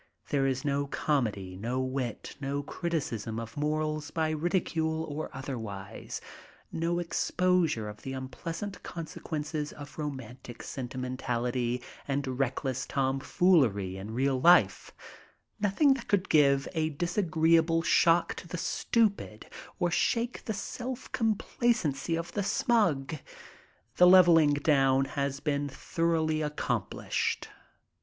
. there is no comedy, no wit, no criticism of morals by ridicule or otherwise, no exposure of the unpleasant consequences of ro mantic sentimentality and reckless tomfoolery in real life, nothing that could give a disagreeable shock to the stupid or shake the self complacency of the smug ... the leveling down has been thoroughly accomplished.